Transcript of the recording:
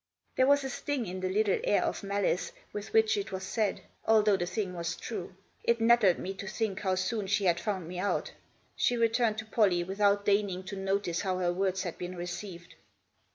There was a sting in the little air of malice with which it was said, although the thing was true. It nettled me to think how soon she had found me out. She returned to Pollie without deigning to notice how her words had been received.